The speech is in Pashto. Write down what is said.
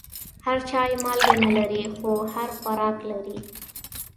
هر چای مالګه نه لري، خو هر خوراک لري.